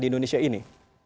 di indonesia ini